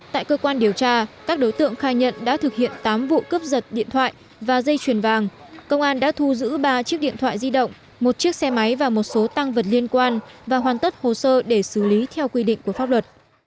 tại cơ quan điều tra các đối tượng khai nhận đã thực hiện tám vụ cướp giật điện thoại và dây chuyền vàng công an đã thu giữ ba chiếc điện thoại di động một chiếc xe máy và một số tăng vật liên quan và hoàn tất hồ sơ để xử lý theo quy định của pháp luật